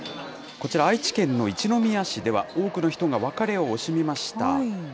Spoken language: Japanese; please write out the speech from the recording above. こちら、愛知県の一宮市では、多くの人が別れを惜しみました。